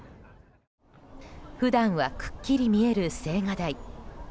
普段はくっきり見える青瓦台。